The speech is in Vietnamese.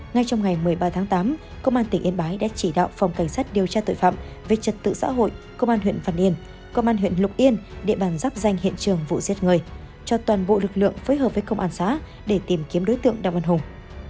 ngay trong ngày một mươi ba tháng tám công an tỉnh yên bái đã chỉ đạo phòng cảnh sát điều tra tội phạm về trật tự xã hội công an huyện văn yên công an huyện lục yên địa bàn dắp danh hiện trường vụ giết người cho toàn bộ lực lượng phối hợp với công an xã để tìm kiếm đối tượng đặng văn hùng